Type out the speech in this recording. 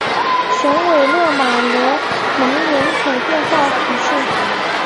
雄维勒马洛蒙人口变化图示